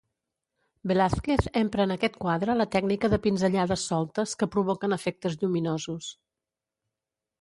Velázquez empra en aquest quadre la tècnica de pinzellades soltes que provoquen efectes lluminosos.